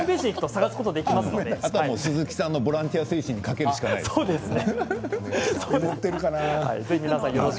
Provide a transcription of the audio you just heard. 鈴木さんのボランティア精神にかけるしかないですね。